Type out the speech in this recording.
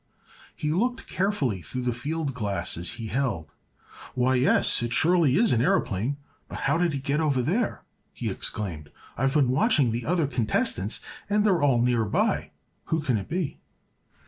He looked carefully through the field glasses he held. "Why—yes! It surely is an aëroplane. But how did it get over there?" he exclaimed. "I've been watching the other contestants, and they're all near by. Who can it be?"